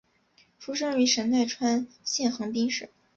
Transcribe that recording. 出生于神奈川县横滨市。